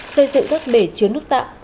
xây dựng các bể chứa nước tạm